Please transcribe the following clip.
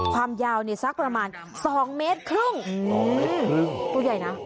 ความยาวเนี้ยสักประมาณสองเมตรครึ่งสองเมตรครึ่งตัวใหญ่นะ